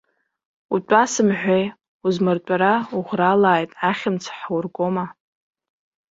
Утәа сымҳәеи, узмыртәара уӷралааит, ахьымӡӷ ҳургома.